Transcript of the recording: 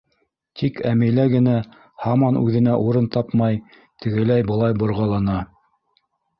Тик Әмилә генә һаман үҙенә урын тапмай, тегеләй-былай борғалана.